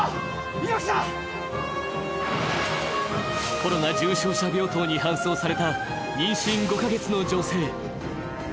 コロナ重症者病棟に搬送された妊娠５か月の女性。